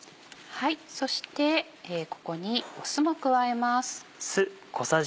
そしてここに酢も加えます。